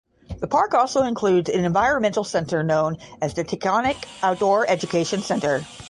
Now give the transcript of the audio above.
The park also includes an environmental center known as the Taconic Outdoor Education Center.